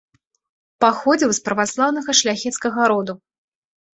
Паходзіў з праваслаўнага шляхецкага роду.